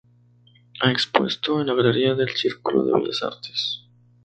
Ha expuesto en la galería del Círculo de Bellas Artes.